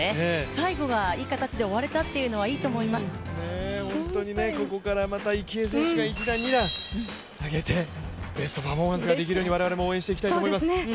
最後がいい形で終われたというのはここからまた池江選手が一段、二段、上げてベストパフォーマンスができるように我々も応援していきたいと思います。